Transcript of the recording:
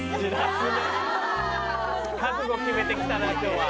覚悟決めてきたな今日は。